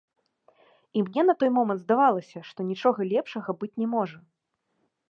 І мне на той момант здавалася, што нічога лепшага быць не можа.